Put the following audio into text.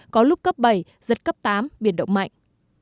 có lúc cấp bảy giật cấp tám biển động mạnh